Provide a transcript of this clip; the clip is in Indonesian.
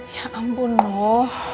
ya ampun noh